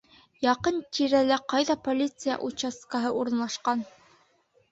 Яҡын тирәлә ҡайҙа полиция участкаһы урынлашҡан?